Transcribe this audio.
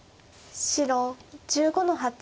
白１５の八。